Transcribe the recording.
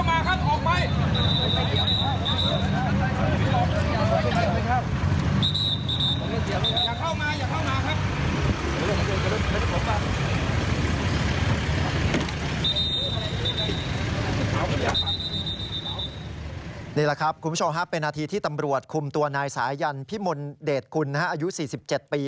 นี่แหละครับคุณผู้ชมครับเป็นนาทีที่ตำรวจคุมตัวนายสายันพิมลเดชกุลอายุ๔๗ปี